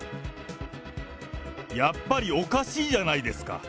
やっぱりおかしいじゃないですか。